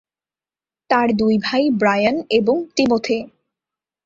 তার দুই ভাই ব্রায়ান এবং টিমোথি।